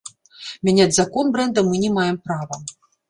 Мяняць закон брэнда мы не маем права.